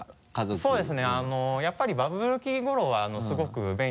そうですね